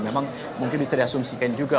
memang mungkin bisa diasumsikan juga